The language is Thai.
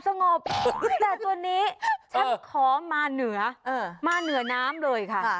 สงบแต่ตัวนี้ฉันขอมาเหนือมาเหนือน้ำเลยค่ะ